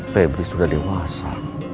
pebri sudah dewasa